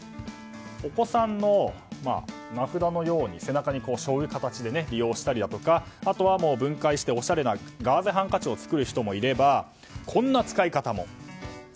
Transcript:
お子さんの名札のように背中に背負うような形で利用したりだとかあとは分解しておしゃれなガーゼハンカチを作る人もいればこんな使い方も。